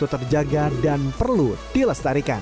terjaga dan perlu dilestarikan